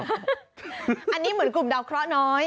อันนี้เหมือนกลุ่มดาวเคราะห์น้อย